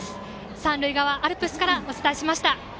三塁側アルプスからお伝えしました。